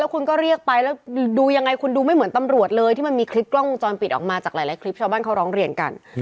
คุณก็เรียกไปแล้วดูยังไงคุณดูไม่เหมือนตำรวจเลยที่มันมีคลิปกล้องวงจรปิดออกมาจากหลายคลิปชาวบ้านเขาร้องเรียนกัน